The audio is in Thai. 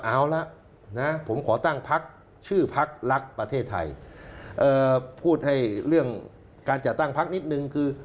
เอาละผมขอตั้งชื่อภาคลักษณ์ประเทศไทยพูดให้เรื่องการจัดตั้งภาคนิดนึงคือ